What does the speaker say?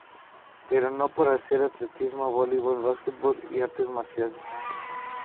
Pero no para hacer atletismo, vóleibol, básquetbol y artes marciales.